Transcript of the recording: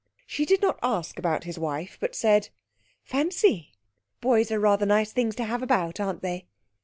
She did not ask about his wife, but said: 'Fancy! Boys are rather nice things to have about, aren't they?'